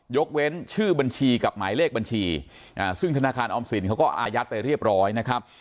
ยกเว้นชื่อบัญชีกับหมายเลขบัญชีซึ่งธนาคารออมสินเขาก็อายัดไปเรียบร้อยนะครับ